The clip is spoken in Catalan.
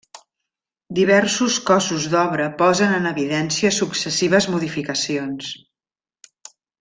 Diversos cossos d'obra posen en evidència successives modificacions.